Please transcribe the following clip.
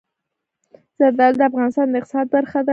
زردالو د افغانستان د اقتصاد برخه ده.